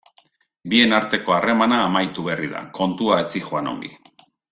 Bien arteko harremana amaitu berri da, kontua ez zihoan ongi.